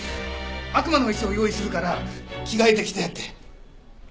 悪魔の衣装を用意するから着替えて来てって。